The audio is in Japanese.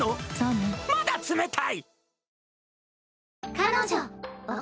まだ冷たい！